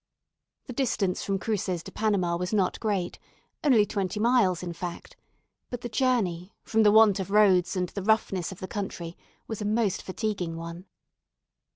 The distance from Cruces to Panama was not great only twenty miles, in fact; but the journey, from the want of roads and the roughness of the country, was a most fatiguing one.